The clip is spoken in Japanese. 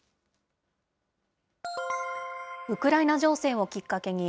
ウクライナ情勢をきっかけに、